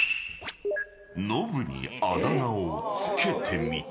ノブにあだ名をつけてみて。